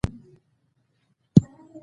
ټکنالوجي د اقتصاد وده ګړندۍ کوي.